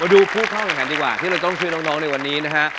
มาดูผู้เข้าอย่างไรดีกว่าที่เราต้องชื่อน้องในวันนี้นะฮะ